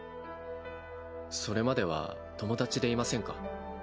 それまでは友達でいませんか。